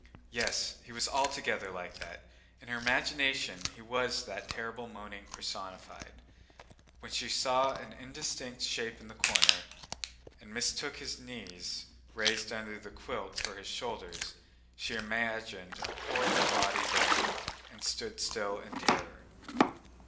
Yes, he was altogether like that. In her imagination he was that terrible moaning personified. When she saw an indistinct shape in the corner, and mistook his knees raised under the quilt for his shoulders, she imagined a horrible body there, and stood still in terror.